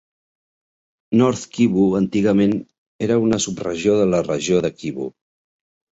North Kivu antigament era una subregió de la regió de Kivu.